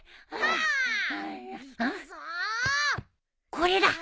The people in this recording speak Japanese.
これだ！